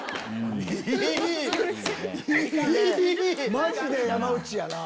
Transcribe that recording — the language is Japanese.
マジで山内やな。